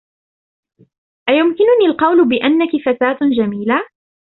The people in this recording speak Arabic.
أيمكنني القول بأنّك فتاة جميلة؟